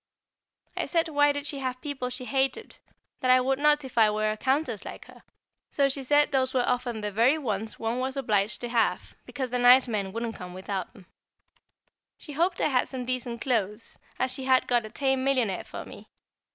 I said why did she have people she hated that I would not if I were a Countess like her; so she said those were often the very ones one was obliged to have, because the nice men wouldn't come without them. [Sidenote: The Test of a Gentleman] She hoped I had some decent clothes, as she had got a tame millionaire for me.